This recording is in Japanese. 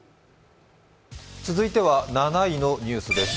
続いては７位のニュースです